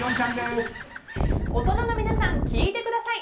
大人の皆さん聞いてください！